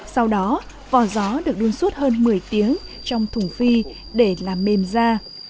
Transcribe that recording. sau đó vỏ gió được đun suốt hơn một mươi tiếng trong thùng phi để làm mềm da